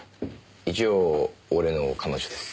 一応俺の彼女です。